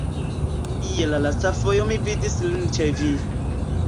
Je la lasta fojo mi vidis lin ĉe vi.